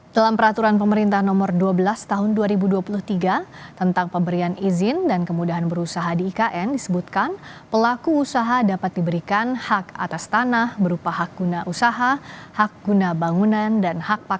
dalam peraturan pemerintah nomor dua belas tahun dua ribu dua puluh tiga tentang pemberian izin dan kemudahan berusaha di ikn disebutkan pelaku usaha dapat diberikan hak atas tanah berupa hak guna usaha hak guna bangunan dan hak